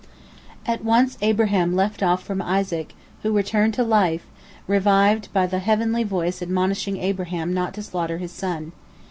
At once Abraham left off from Isaac, who returned to life, revived by the heavenly voice admonishing Abraham not to slaughter his son.